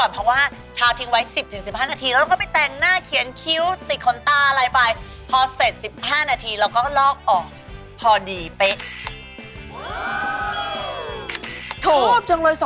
ปกติเราทาลิปสติกเจ็ดก็เสร็จ